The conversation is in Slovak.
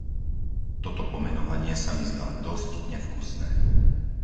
Toto pomenovanie sa mi zdá dosť nevkusné.